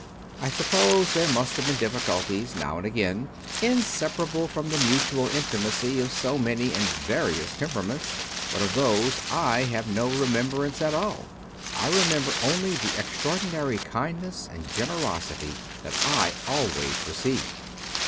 I suppose there must have been diffi culties now and again, inseparable from the mutual intimacy of so many and various temperaments; but of those I have no remembrance at all. I remember only the extraordinary kindness and generosity that I always received.